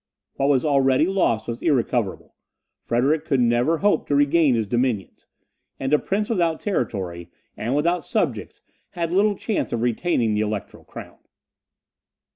What was already lost was irrecoverable; Frederick could never hope to regain his dominions; and a prince without territory and without subjects had little chance of retaining the electoral crown.